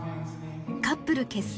カップル結成